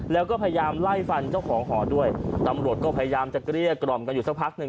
แล้วก็พยายามไล่ฟันเจ้าของหอด้วยตำรวจก็พยายามจะเกลี้ยกล่อมกันอยู่สักพักหนึ่ง